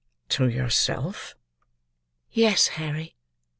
"To yourself?" "Yes, Harry.